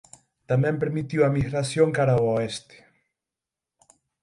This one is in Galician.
Tamén permitiu a migración cara ao Oeste.